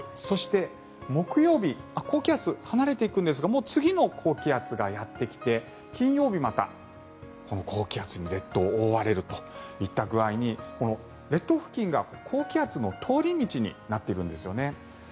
そして、木曜日高気圧、離れていくんですがもう次の高気圧がやってきて金曜日またこの高気圧に列島、覆われるといった具合に列島付近が高気圧の通り道になっているんですよね。